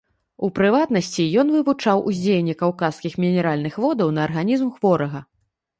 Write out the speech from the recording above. У прыватнасці, ён вывучаў уздзеянне каўказскіх мінеральных водаў на арганізм хворага.